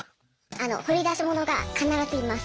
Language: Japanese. あの掘り出し物が必ずいます。